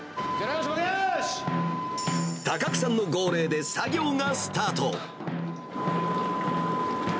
高久さんの号令で作業がスタート。